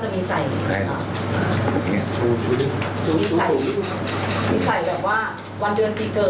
มีใส่วันเดือนที่เจอ